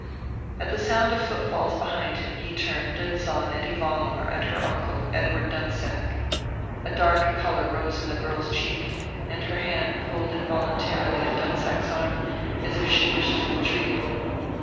At the sound of footfalls behind him he turned and saw Nettie Vollar and her uncle, Edward Dunsack. A dark color rose in the girl's cheek, and her hand pulled involuntarily at Dunsack's arm, as if she wished to retreat.